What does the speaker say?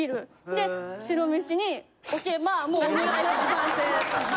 で白飯に置けばもうオムライスの完成です。